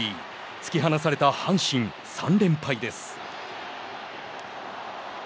突き放された阪神３連敗です。